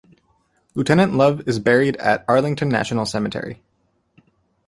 Lieutenant Love is buried at Arlington National Cemetery.